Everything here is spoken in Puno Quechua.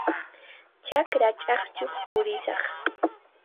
Chakra ch'aqchuq purisaq.